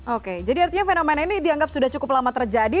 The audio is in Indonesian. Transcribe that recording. oke jadi artinya fenomena ini dianggap sudah cukup lama terjadi